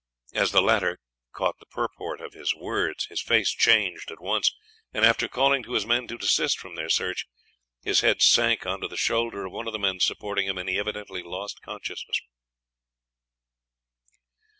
As the latter caught the purport of his words his face changed at once, and, after calling to his men to desist from their search, his head sank on to the shoulder of one of the men supporting him, and he evidently lost consciousness.